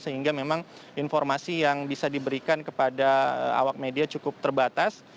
sehingga memang informasi yang bisa diberikan kepada awak media cukup terbatas